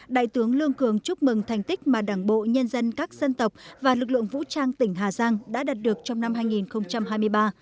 đại tướng lương cường chúc mừng thành tích mà đảng bộ nhân dân các dân tộc và lực lượng vũ trang tỉnh hà giang đã đạt được trong năm hai nghìn hai mươi ba